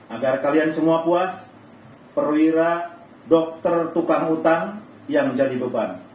agar kalian semua puas perwira dokter tukang utang yang menjadi beban